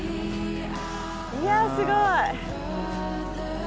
いやすごい。